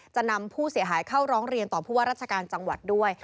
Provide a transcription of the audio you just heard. จะนำผู้เสียหายเข้าร้องเรียนต่อผู้ว่าราชการจังหวัดด้วย